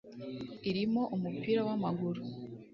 irimo umupira w’amaguru